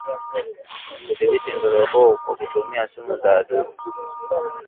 Kudhibiti ndorobo kwa kutumia sumu za wadudu